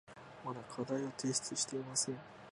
まだ課題を提出していません。